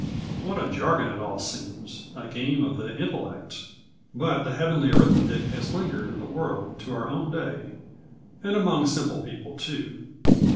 What a jargon it all seems a game of the intellect! But the heavenly arithmetic has lingered in the world to our own day, and among simple people, too.